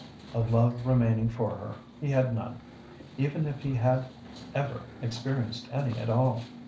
Of love remaining for her he had none—even if he had ever experienced any at all.